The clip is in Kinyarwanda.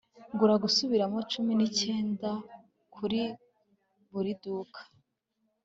gura gusubiramo cumi n'icyenda kuri buriduka